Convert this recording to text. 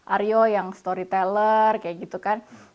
aryo yang storyteller kayak gitu kan